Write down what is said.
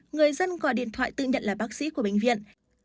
người dân gọi điện thoại tự nhận là bác sĩ của bệnh viện